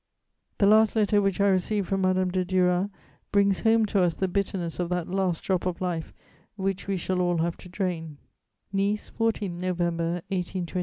"The last letter which I received from Madame de Duras brings home to us the bitterness of that last drop of life which we shall all have to drain: "'NICE, 14 November 1828.